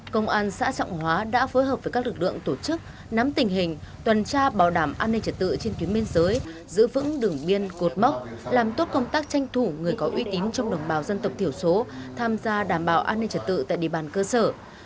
công an xã trọng hóa đã phối hợp với các lực lượng tổ chức nắm tình hình tuần tra bảo đảm an ninh trật tự trên tuyến biên giới giữ vững đường biên cột mốc làm tốt công tác tranh thủ người có uy tín trong đồng bào dân tộc thiểu số tham gia đảm bảo an ninh trật tự tại địa bàn cơ sở